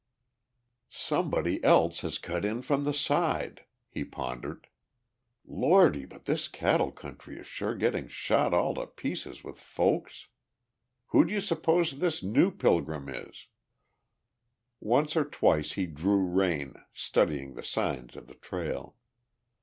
"Somebody else has cut in from the side," he pondered. "Lordy, but this cattle country is sure getting shot all to pieces with folks. Who'd you suppose this new pilgrim is?" Once or twice he drew rein, studying the signs of the trail.